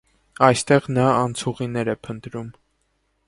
Այնտեղ նա անցուղիներ է փնտրում։